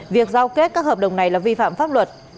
việc giao kết các hợp đồng này là vi phạm pháp luật